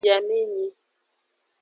Biamenyi.